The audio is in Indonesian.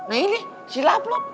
nah ini silap lo